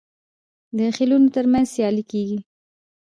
د خیلونو ترمنځ سیالي کیږي.